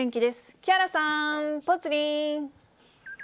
木原さん、ぽつリン。